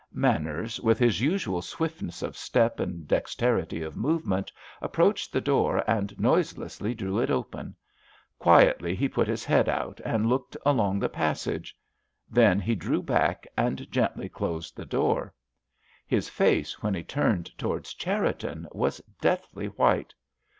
Manners, with his usual swiftness of step and dexterity of movement, approached the door and noiselessly drew it open. Quietly he put his head out and looked along the passage. Then he drew back and gently closed the door. His face, when he turned towards Cherriton, was deathly white.